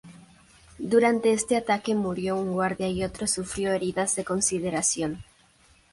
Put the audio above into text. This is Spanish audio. Durante este ataque murió un guardia y otro sufrió heridas de consideración.